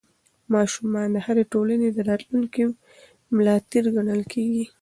ماشومان د هرې ټولنې د راتلونکي ملا تېر ګڼل کېږي.